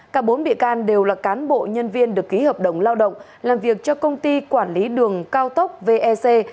cả bốn bị can đều là cán bộ nhân viên được ký hợp đồng lao động làm việc cho công ty quản lý đường cao tốc vec